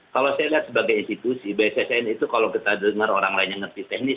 kalau saya lihat sebagai institusi bssn itu kalau kita dengar orang lain yang ngerti teknis